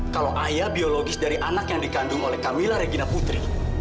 kalau ayah biologis dari anak yang dikandung oleh camilla regina putri